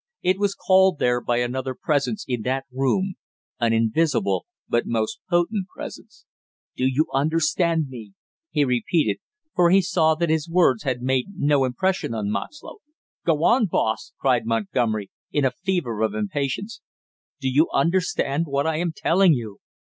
It was called there by another presence in that room; an invisible but most potent presence. "Do you understand me?" he repeated, for he saw that his words had made no impression on Moxlow. "Go on, boss!" cried Montgomery, in a fever of impatience. "Do you understand what I am telling you?